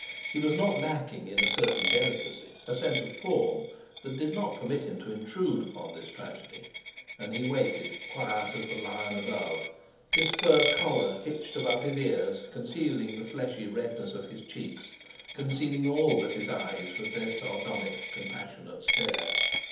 He was not lacking in a certain delicacy—a sense of form—that did not permit him to intrude upon this tragedy, and he waited, quiet as the lion above, his fur collar hitched above his ears concealing the fleshy redness of his cheeks, concealing all but his eyes with their sardonic, compassionate stare.